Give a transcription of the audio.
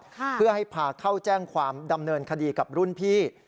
เพื่อให้พาเข้าแจ้งความดำเนินคดีกับรุ่นพี่